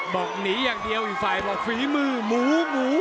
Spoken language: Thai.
บอกหนีอย่างเดียวไฟล์บอกฟีมือหมูหมู